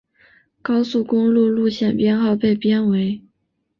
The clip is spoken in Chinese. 高速公路路线编号被编为。